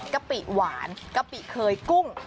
กะปิหวานกะปิเคยกุ้ง